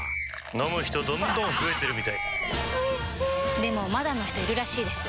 飲む人どんどん増えてるみたいおいしでもまだの人いるらしいですよ